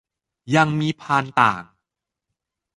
ยังมีพานต่าง